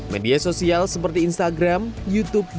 media sosial seperti instagram youtube dan beberapa media sosial